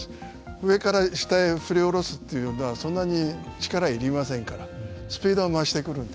上から下へ振りおろすというのはそんなに力は要りませんからスピードが増してくるんです。